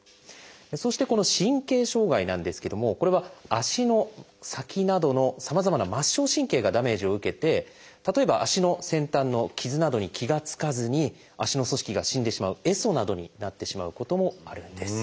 そしてこの神経障害なんですけどもこれは足の先などのさまざまな末梢神経がダメージを受けて例えば足の先端の傷などに気が付かずに足の組織が死んでしまう壊疽などになってしまうこともあるんです。